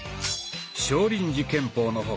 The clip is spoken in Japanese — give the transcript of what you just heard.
少林寺拳法の他